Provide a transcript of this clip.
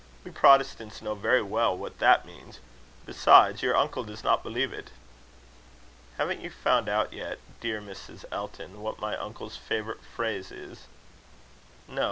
We Protestants know very well what that means. Besides, your uncle does not believe it." "Haven't you found out yet, dear Mrs. Elton, what my uncle's favourite phrase is?" "No.